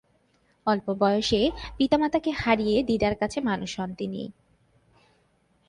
অল্প বয়সে পিতামাতাকে হারিয়ে দিদার কাছে মানুষ হন তিনি।